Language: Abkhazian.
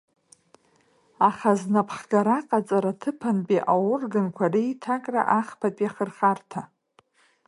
Ахазнапхгараҟаҵара аҭыԥантәи аорганқәа реиҭакра ахԥатәи ахырхарҭа.